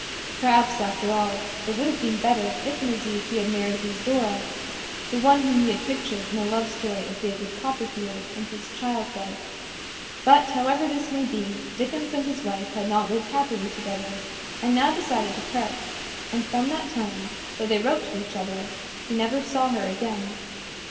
Perhaps, after all, it would have been better if in his youth he had married his Dora the one whom he had pictured in the love story of David Copperfield and his child wife. But, however this may be, Dickens and his wife had not lived happily together, and now decided to part, and from that time, though they wrote to each other, he never saw her again.